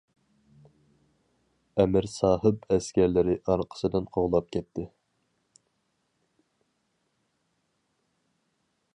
ئەمىر ساھىب ئەسكەرلىرى ئارقىسىدىن قوغلاپ كەتتى.